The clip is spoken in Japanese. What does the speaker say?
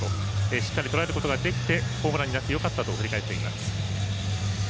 しっかりとらえることができてホームランになってよかったと振り返っています。